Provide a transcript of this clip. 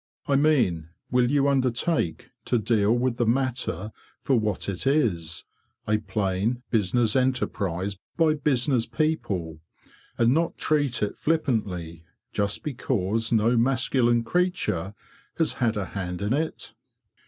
I mean, will you undertake to deal with the matter for what it is—a plain, business enterprise by business people—and not treat it flippantly, just because no masculine creature has had a hand in it?"